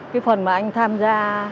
cái phần mà anh tham gia